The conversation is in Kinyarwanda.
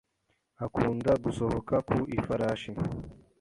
Akunda gusohoka ku ifarashi.